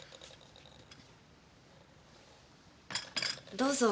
どうぞ。